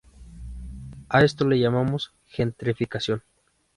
A esto le llamamos gentrificación.